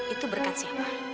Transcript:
itu berkat siapa